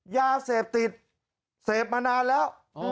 ยาเสพติดเสพมานานแล้ว